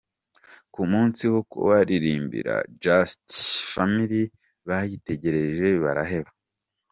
Ku munsi wo kubaririmbira jasiti famili bayitegereje baraheba